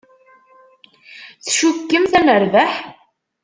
Tcukkemt ad nerbeḥ?